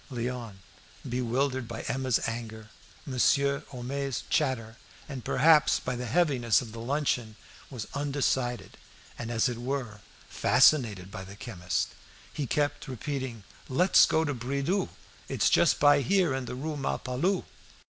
'" Léon, bewildered by Emma's anger, Monsieur Homais' chatter, and, perhaps, by the heaviness of the luncheon, was undecided, and, as it were, fascinated by the chemist, who kept repeating "Let's go to Bridoux'. It's just by here, in the Rue Malpalu."